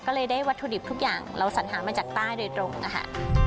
ก็เลยได้วัตถุดิบทุกอย่างเราสัญหามาจากใต้โดยตรงนะคะ